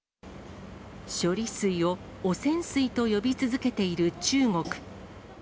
処理水を汚染水と呼び続けている中国。